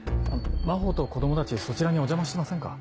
真帆と子供たちそちらにお邪魔してませんか？